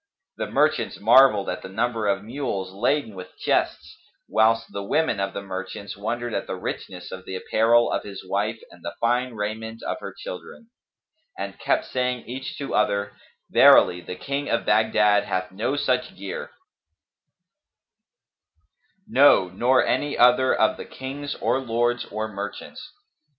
The merchants marvelled at the number of mules laden with chests, whilst the women of the merchants wondered at the richness of the apparel of his wife and the fine raiment of her children; and kept saying each to other, "Verily, the King of Baghdad hath no such gear; no, nor any other of the kings or lords or merchants!"